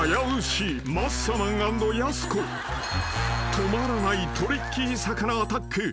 ［止まらないトリッキー魚アタック］